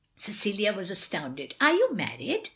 Cecilia was astounded. "Are you married?"